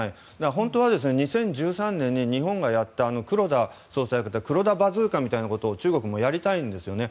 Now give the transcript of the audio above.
本当は２０１３年に日本がやった黒田総裁の黒田バズーカみたいなことを中国もやりたいんですよね。